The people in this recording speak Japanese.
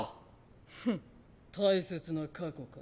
フン大切な過去か。